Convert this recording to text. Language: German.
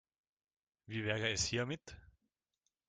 Wie wäre es hiermit?